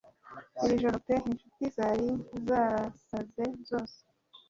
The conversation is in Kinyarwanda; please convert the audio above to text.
Iri joro pe inshuti zari zasaze zose